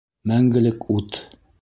Мәңгелек ут